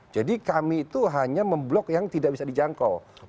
jadi kami itu hanya memblok yang tidak bisa dijangkau